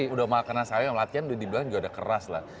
udah makanan sayur yang latihan udah dibilang juga udah keras lah